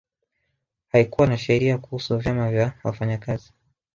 Haikuwa na sheria kuhusu vyama vya wafanyakazi